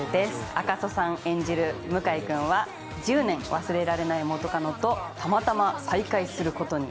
赤楚さん演じる向井くんは１０年忘れられない元カノとたまたま再会することに。